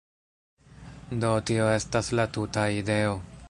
Do, tio estas la tuta ideo